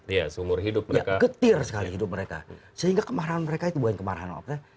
ya ketir sekali hidup mereka sehingga kemarahan mereka itu bukan kemarahan